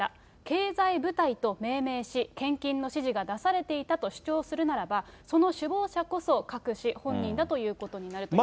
経済部隊と命名し、献金の指示が出されていたと主張するならば、その首謀者こそ、クァク氏本人だということになると。